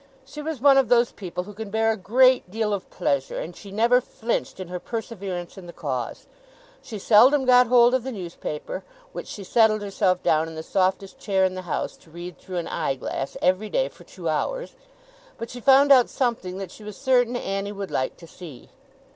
She was one of those people who can bear a great deal of pleasure, and she never flinched in her perseverance in the cause. She seldom got hold of the newspaper (which she settled herself down in the softest chair in the house to read through an eye glass, every day, for two hours), but she found out something that she was certain Annie would like to see.